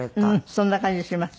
そんな感じします。